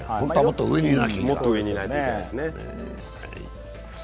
もっと上にいないといけないですね。